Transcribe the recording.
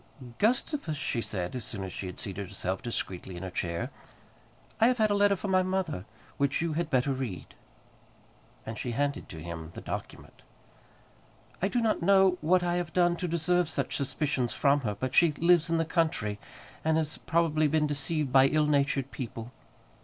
"Gustavus," she said, as soon as she had seated herself discreetly in her chair, "I have had a letter from my mother, which you had better read;" and she handed to him the document. "I do not know what I have done to deserve such suspicions from her; but she lives in the country, and has probably been deceived by ill natured people.